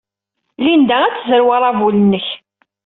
Linda ad tezrew aṛabul-nnek.